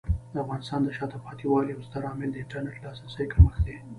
د افغانستان د شاته پاتې والي یو ستر عامل د انټرنیټ لاسرسي کمښت دی.